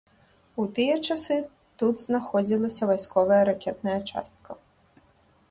У тыя часы тут знаходзілася вайсковая ракетная частка.